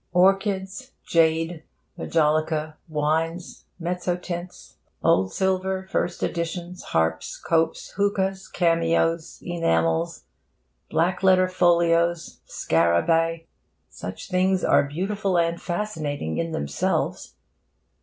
Orchids, jade, majolica, wines, mezzotints, old silver, first editions, harps, copes, hookahs, cameos, enamels, black letter folios, scarabaei such things are beautiful and fascinating in themselves.